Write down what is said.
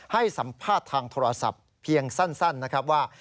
ให้สัมภาษณ์ทางโทรศัพท์เพียงสั้นนะครับว่า